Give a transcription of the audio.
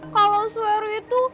kalau swear itu